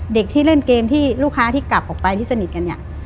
เด็กที่เล่นเกมที่ลูกค้าที่กลับออกไปที่สนิทกันเนี่ย